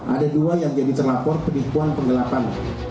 ada dua yang jadi terlapor penipuan penggelapan